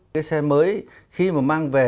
cái xe mới khi mà mang về